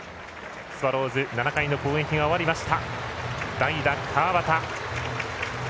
スワローズ、７回の攻撃が終わりました。